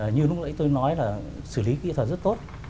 như lúc nãy tôi nói là xử lý kỹ thuật rất tốt